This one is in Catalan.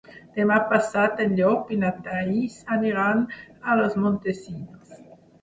Demà passat en Llop i na Thaís aniran a Los Montesinos.